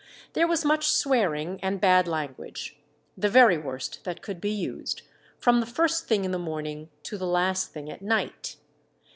There was much swearing and bad language, the very worst that could be used, from the first thing in the morning to the last thing at night.